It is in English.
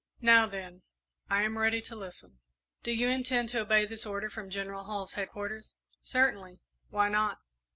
"Now, then, I am ready to listen." "Do you intend to obey this order from General Hull's headquarters?" "Certainly why not?"